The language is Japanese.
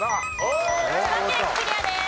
千葉県クリアです。